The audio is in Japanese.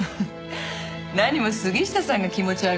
何も杉下さんが気持ち悪くならなくても。